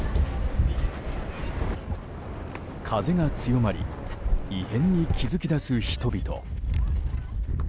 風が強まり異変に気付きだす人々。